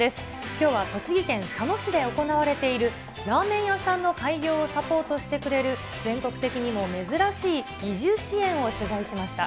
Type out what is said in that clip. きょうは栃木県佐野市で行われている、ラーメン屋さんの開業をサポートしてくれる、全国的にも珍しい移住支援を取材しました。